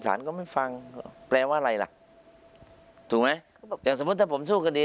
ศาลก็ไม่ฟังแปลว่าอะไรล่ะถูกไหมอย่างสมมติถ้าผมสู้กันดี